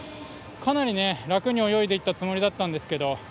かなり楽に泳いでいったつもりだったんですけど。